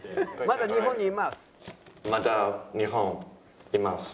「まだ日本にいます」。